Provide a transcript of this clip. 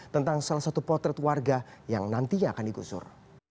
tentang salah satu potret warga yang nantinya akan digusur